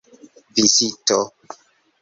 vizito